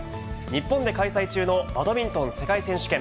日本で開催中のバドミントン世界選手権。